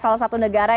salah satu negara